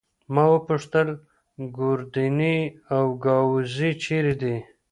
ما وپوښتل: ګوردیني او ګاووزي چيري دي؟